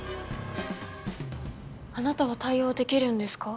あなたは対応できるんですか？